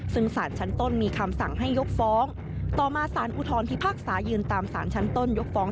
ซึ่งสารชั้นต้นมีคำสั่งให้ยกฟ้อง